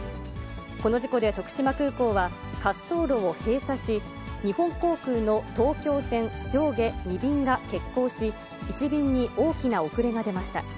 この事故で、徳島空港は滑走路を閉鎖し、日本航空の東京線上下２便が欠航し、１便に大きな遅れが出ました。